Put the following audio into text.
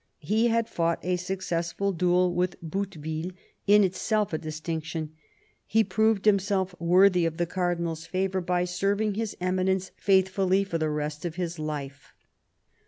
He had fought a successful duel with Bouteville, in itself a distinction. He proved himself worthy of the Cardinal's favour by serving His Eminence faithfully for the rest of his life.